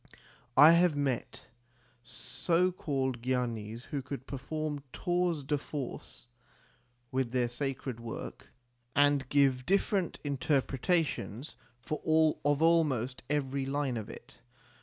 I have met so called gyanis who could perform tours de force with their sacred work, and give different interpretations of almost every line of it.